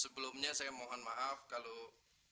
sebelumnya saya mohon maaf kalau kedatangan kami ini mengganggu ibu